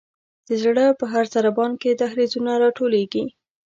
د زړه په هر ضربان کې دهلیزونه را ټولیږي.